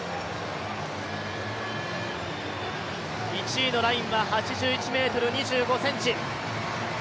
１位のラインは８１ｍ２５ｃｍ。